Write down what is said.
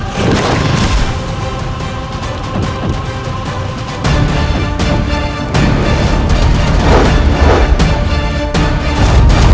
kau tidak akan sanggap